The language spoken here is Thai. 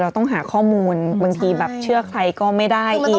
ต้องหาข้อมูลบางทีแบบเชื่อใครก็ไม่ได้อีก